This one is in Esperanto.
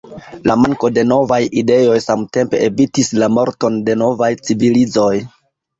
La manko de novaj ideoj samtempe evitis la morton de novaj civilizoj.